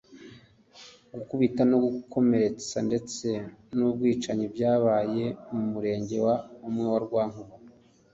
gukubita no gukomeretsa ndetse n’ubwicanyi bwabaye mu murenge umwe wa Rwankuba